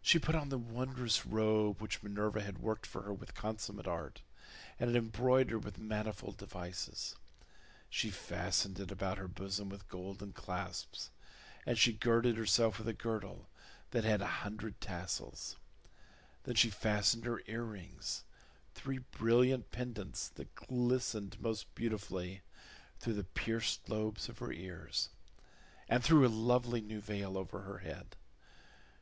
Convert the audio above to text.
She put on the wondrous robe which Minerva had worked for her with consummate art, and had embroidered with manifold devices; she fastened it about her bosom with golden clasps, and she girded herself with a girdle that had a hundred tassels: then she fastened her earrings, three brilliant pendants that glistened most beautifully, through the pierced lobes of her ears, and threw a lovely new veil over her head.